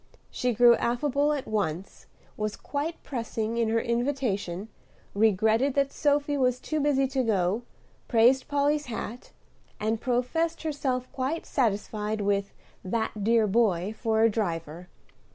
She grew affable at once, was quite pressing in her invitation, regretted that Sophy was too busy to go, praised Polly's hat; and professed herself quite satisfied with "that dear boy" for a driver.